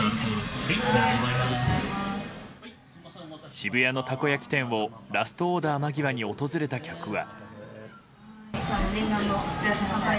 渋谷のたこ焼き店をラストオーダー間際に訪れた客は。